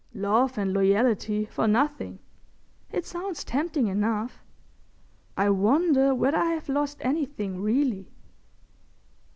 Love and loyalty for nothing. It sounds tempting enough. I wonder whether I have lost anything really?"